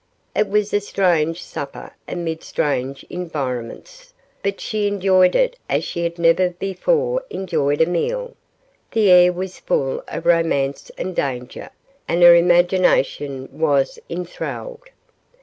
It was a strange supper amid strange environments, but she enjoyed it as she had never before enjoyed a meal. The air was full of romance and danger, and her imagination was enthralled.